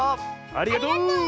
ありがとう！